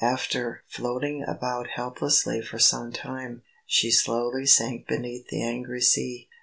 After floating about helplessly for some time, she slowly sank beneath the angry sea.